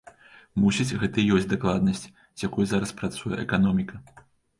Мусіць, гэта і ёсць дакладнасць, з якой зараз працуе эканоміка.